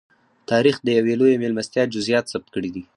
تاریخ د یوې لویې مېلمستیا جزییات ثبت کړي دي.